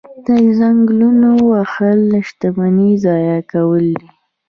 د ځنګلونو وهل شتمني ضایع کول دي.